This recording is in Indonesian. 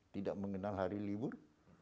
tidak mengenal hari libur